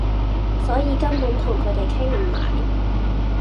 所以根本同佢地傾唔埋